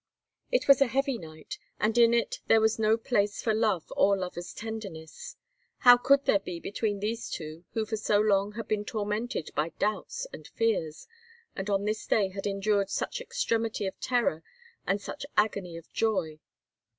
It was a heavy night, and in it there was no place for love or lovers' tenderness. How could there be between these two, who for so long had been tormented by doubts and fears, and on this day had endured such extremity of terror and such agony of joy?